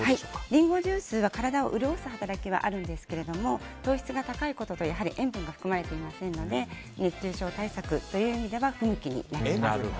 リンゴジュースは体を潤す働きはあるんですが糖質が高いことと塩分が含まれていませんので熱中症対策という意味では不向きになります。